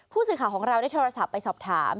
ผู้สื่อข่าวของเราได้โทรศัพท์ไปสอบถาม